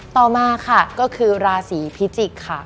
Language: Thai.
ต่อมาค่ะก็คือราศีพิจิกษ์ค่ะ